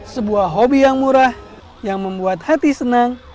sebuah hobi yang murah yang membuat hati senang